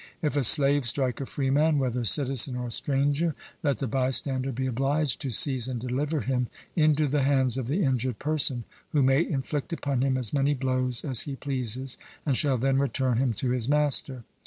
If a slave strike a freeman, whether citizen or stranger, let the bystander be obliged to seize and deliver him into the hands of the injured person, who may inflict upon him as many blows as he pleases, and shall then return him to his master.